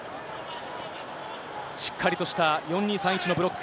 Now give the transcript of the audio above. しっかりとした４・２・３・１のブロック。